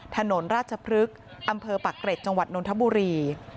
ถนนราชพฤกษ์อำเภอปักเกร็จจังหวัดนทบุรี